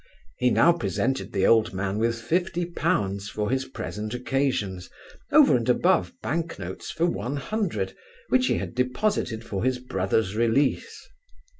He now presented the old man with fifty pounds for his present occasions, over and above bank notes for one hundred, which he had deposited for his brother's release.